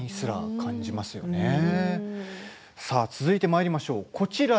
続いてまいりましょう。